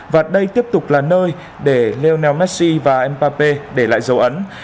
và đây tiếp tục là nơi để lionel messi và mbappé để lại dấu ấn